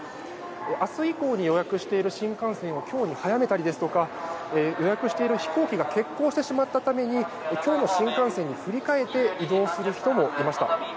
明日以降に予約している新幹線を今日に早めたり予約している飛行機が欠航してしまったため今日の新幹線に振り替えて移動する人もいました。